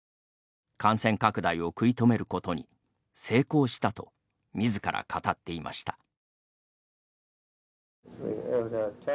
感染拡大を食い止めることに成功したと自ら語っていました。